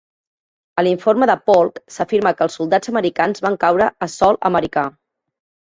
A l'informe de Polk, s'afirma que els soldats americans van caure a sòl americà.